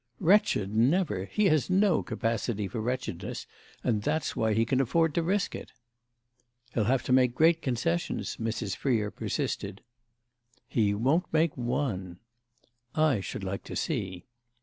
"Wretched never! He has no capacity for wretchedness, and that's why he can afford to risk it." "He'll have to make great concessions," Mrs. Freer persisted. "He won't make one." "I should like to see."